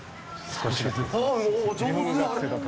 少しだけ。